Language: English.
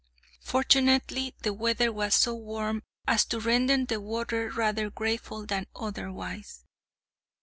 Fortunately, the weather was so warm as to render the water rather grateful than otherwise.